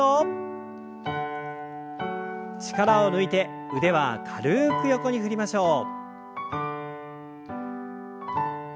力を抜いて腕は軽く横に振りましょう。